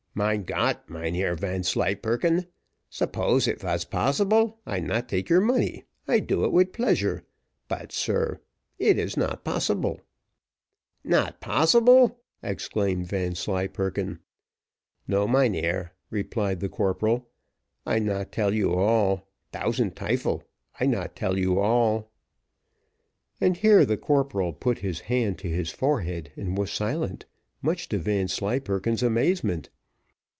"Mein Gott, Mynheer Vanslyperken! suppose it vas possible, I not take your money, I do it wid pleasure; but, sir, it not possible." "Not possible!" exclaimed Vanslyperken. "No, mynheer," replied the corporal, "I not tell you all, tousand tyfel, I not tell you all;" and here the corporal put his hand to his forehead and was silent, much to Vanslyperken's amazement.